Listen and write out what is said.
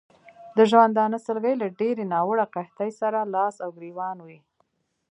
د ژوندانه سلګۍ له ډېرې ناوړه قحطۍ سره لاس او ګرېوان وې.